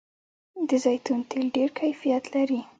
د زیتون تېل ډیر کیفیت لري.